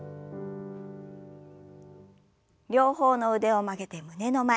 両方の腕を曲げて胸の前。